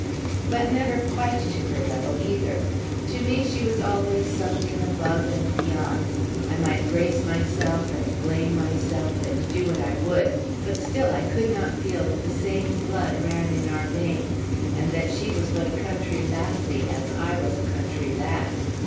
But never quite to her level either. To me she was always something above and beyond. I might brace myself and blame myself, and do what I would, but still I could not feel that the same blood ran in our veins, and that she was but a country lassie, as I was a country lad.